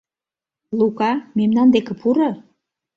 — Лука, мемнан деке пуро.